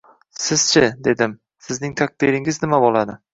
— Siz-chi? — dedim, — Sizning taqdiringiz nima bo‘ladi.